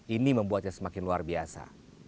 ini membuatnya semakin luar biasa